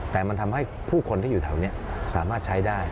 แต่มันทำให้ผู้คนที่อยู่แถวนี้สามารถใช้ได้